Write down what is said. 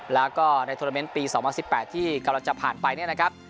แล้วก็ในโทรเมนต์ปีสองอ้างสิบแปดที่กำลังจะผ่านไปเนี้ยนะครับ